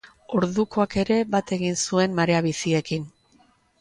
Ordukoak ere bat egin zuen marea biziekin.